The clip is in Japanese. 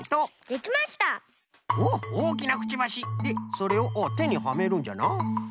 でそれをてにはめるんじゃな。